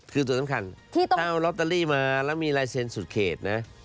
คือตัวสำคัญถ้าเอาลอตเตอรี่มาแล้วมีลายเซ็นสุดเขตนะ